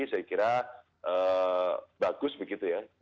saya kira bagus begitu ya